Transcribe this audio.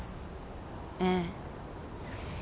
ええ。